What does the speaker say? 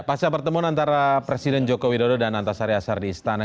pasca pertemuan antara presiden jokowi dodo dan antasari asardi istana